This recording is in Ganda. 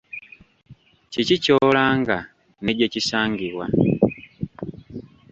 Kiki ky'olanga ne gye kisangibwa?